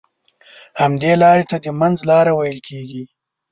همدې لارې ته د منځ لاره ويل کېږي.